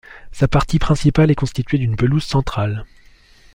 Sa partie principale est constituée d'une pelouse centrale.